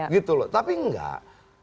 gitu loh tapi enggak